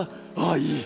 ああいい？